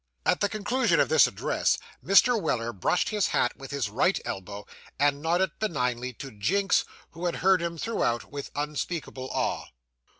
At the conclusion of this address, Mr. Weller brushed his hat with his right elbow, and nodded benignly to Jinks, who had heard him throughout with unspeakable awe.